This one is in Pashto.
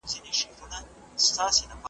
زور لرو زلمي لرو خو مخ د بلا نه نیسي ,